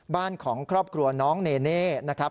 บ้านของครอบครัวน้องเนเน่นะครับ